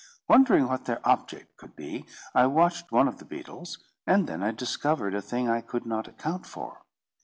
Wondering what their object could be, I watched one of the beetles, and then I discovered a thing I could not account for.